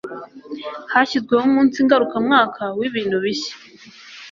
hashyizweho umunsi ngarukamwaka w'ibintu bishya